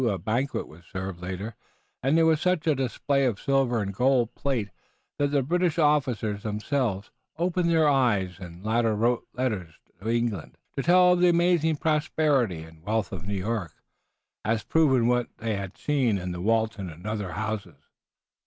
A banquet was served late, and there was such a display of silver and gold plate that the British officers themselves opened their eyes and later wrote letters to England, telling of the amazing prosperity and wealth of New York, as proven by what they had seen in the Walton and other houses.